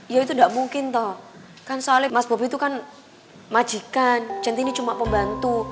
ya itu nggak mungkin toh kan soalnya mas bobi itu kan majikan centi ini cuma pembantu